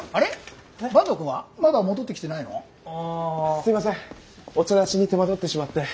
すいませんお茶出しに手間取ってしまって。